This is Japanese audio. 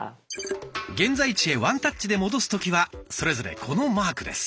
現在地へワンタッチで戻す時はそれぞれこのマークです。